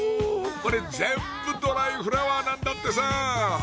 これ全部ドライフラワーなんだってさ！